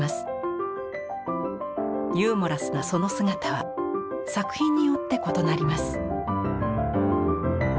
ユーモラスなその姿は作品によって異なります。